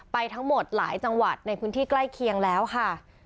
ทั้งหมดหลายจังหวัดในพื้นที่ใกล้เคียงแล้วค่ะ